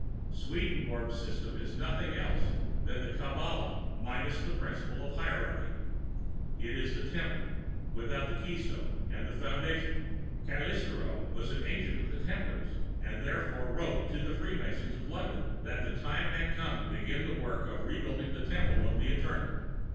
Swedenborg's system was nothing else than the Kabalah, minus the principle of the Hierarchy. It is the Temple, without the keystone and the foundation. Cagliostro was the Agent of the Templars, and therefore wrote to the Free Masons of London that the time had come to begin the work of re building the Temple of the Eternal.